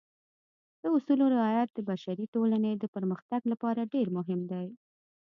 د اصولو رعایت د بشري ټولنې د پرمختګ لپاره ډېر مهم دی.